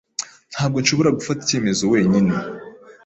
Ntabwo nshobora gufata icyemezo wenyine.